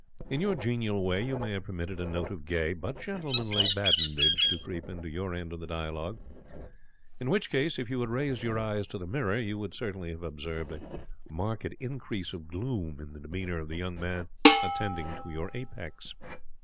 In your genial way you may have permitted a note of gay (but gentlemanly) badinage to creep into your end of the dialogue. In which case, if you had raised your eyes to the mirror, you would certainly have observed a marked increase of gloom in the demeanour of the young man attending to your apex.